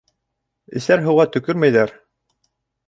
Эсәр һыуға төкөрмәйҙәр.